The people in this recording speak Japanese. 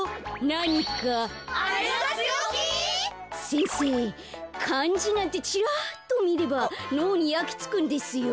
先生かんじなんてチラッとみればのうにやきつくんですよ。